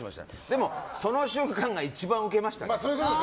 でもその瞬間が一番ウケましたね。